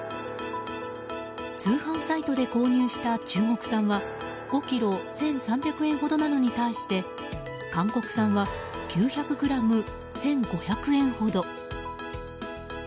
通販サイトで購入した中国産は５ｋｇ１３００円ほどなのに対して韓国産は９００ｇ１５００円ほど。